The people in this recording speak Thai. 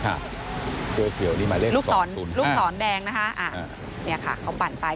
เกลียวนี่หมายเลข๒๐๕ลูกศรแดงนะฮะเนี่ยค่ะเขาปั่นไป